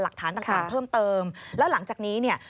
หลักฐานต่างเพิ่มเติมแล้วหลังจากนี้เนี่ย